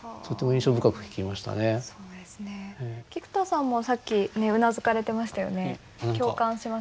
菊田さんもさっきうなずかれてましたよね。